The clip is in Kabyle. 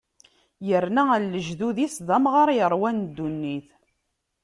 Yerna ɣer lejdud-is, d amɣar yeṛwan ddunit.